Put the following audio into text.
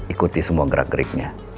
ikuti semua gerak geriknya